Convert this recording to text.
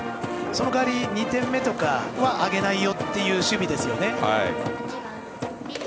その代わり、２点目とかはあげないよっていう守備ですよね。